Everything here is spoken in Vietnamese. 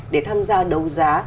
để tham gia đấu giá